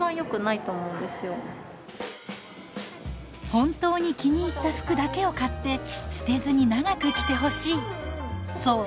本当に気に入った服だけを買って捨てずに長く着てほしい。